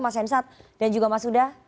mas hensa dan juga mas uda